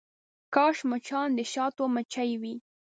کاش مچان د شاتو مچۍ وی.